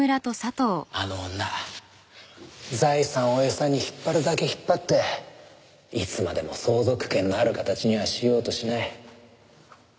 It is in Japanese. あの女財産を餌に引っ張るだけ引っ張っていつまでも相続権のある形にはしようとしない。